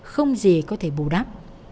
không gì có thể bù đắp